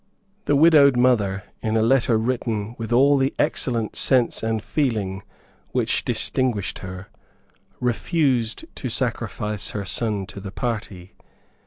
The widowed mother, in a letter written with all the excellent sense and feeling which distinguished her, refused to sacrifice her son to her party.